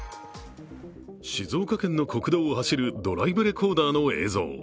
静岡県の国道を走るドライブレコーダーの映像。